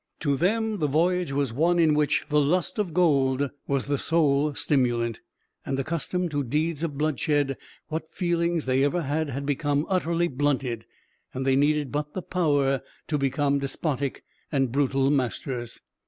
To them the voyage was one in which the lust of gold was the sole stimulant; and, accustomed to deeds of bloodshed, what feelings they ever had had become utterly blunted, and they needed but the power to become despotic and brutal masters.